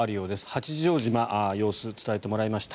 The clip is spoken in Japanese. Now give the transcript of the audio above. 八丈島の様子伝えてもらいました。